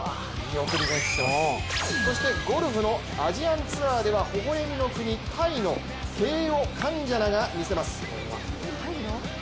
ゴルフのアジアンツアーでは微笑みの国・タイのケーオカンジャナが見せます。